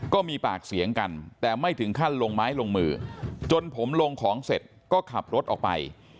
ก็มีปากเสียงกันแต่ไม่ถึงขั้นลงไม้ลงมือจนผมลงของเสร็จก็ขับรถออกไป